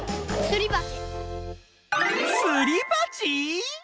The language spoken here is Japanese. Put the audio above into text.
すりばち？